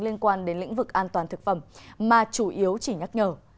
liên quan đến lĩnh vực an toàn thực phẩm mà chủ yếu chỉ nhắc nhở